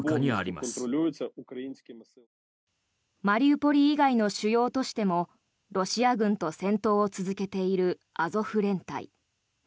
マリウポリ以外の主要都市でもロシア軍と戦闘を続けているアゾフ連隊。